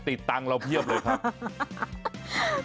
ติดตังค์เราเพียบเลยครับ